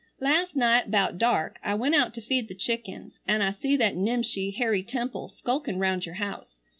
"Last night 'bout dark I went out to feed the chickens, an' I see that nimshi Harry Temple skulkin round your house.